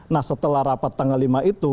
nah setelah rapat tanggal lima itu